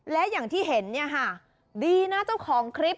และอย่างที่เห็นเนี่ยค่ะดีนะเจ้าของคลิป